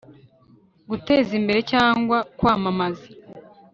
guteza imbere cyangwa kwamamaza